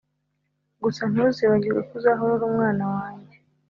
gusa ntuzibagirwe ko uzahora uri umwana wanjye